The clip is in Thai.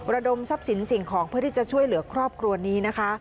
ระดมทรัพย์สินสิ่งของเพื่อที่จะช่วยเหลือครอบครัวนี้นะคะ